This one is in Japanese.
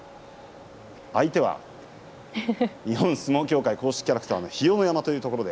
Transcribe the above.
相手は日本相撲協会公式キャラクターのひよの山です。